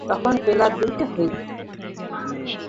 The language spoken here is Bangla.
তখন বেলা দুটো হইবে।